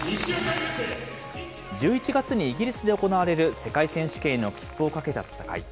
１１月にイギリスで行われる世界選手権への切符をかけた戦い。